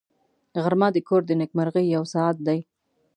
غرمه د کور د نېکمرغۍ یو ساعت دی